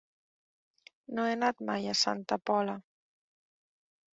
No he anat mai a Santa Pola.